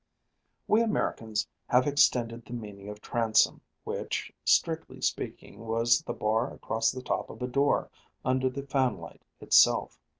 We Americans have extended the meaning of transom, which, strictly speaking, was the bar across the top of a door under the fanlight itself.